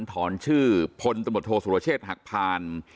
ถอนชื่อพลตมตถศุรเชษฐ์หักพาน